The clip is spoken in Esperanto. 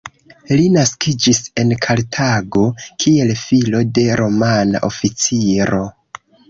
Li naskiĝis en Kartago, kiel filo de Romana oficiro.